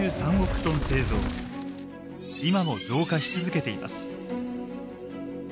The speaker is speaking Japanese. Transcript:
今も増加し続けています。